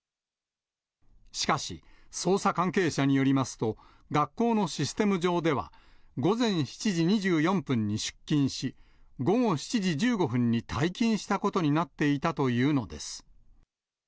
しかし、捜査関係者によりますと、学校のシステム上では、午前７時２４分に出勤し、午後７時１５分に退勤したことになっていたというのです。